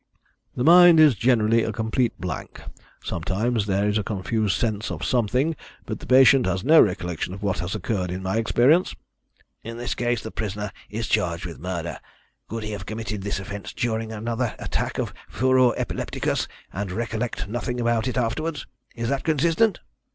"The mind is generally a complete blank. Sometimes there is a confused sense of something, but the patient has no recollection of what has occurred, in my experience." "In this case the prisoner is charged with murder. Could he have committed this offence during another attack of furor epilepticus and recollect nothing about it afterwards? Is that consistent?"